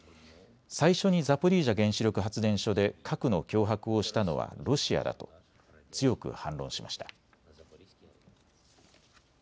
最初にザポリージャ原子力発電所で核の脅迫をしたのはロシアだと強く反論しました。